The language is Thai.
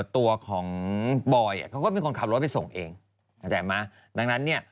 ตัวของบอยล์เขาก็มีคนขับรถไปส่งเองน้องนั้นเนี่ย